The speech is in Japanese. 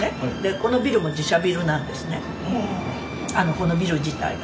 このビル自体が。